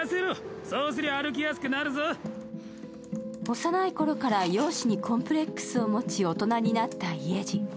幼い頃から容姿にコンプレックスを持ち大人になったイェジ。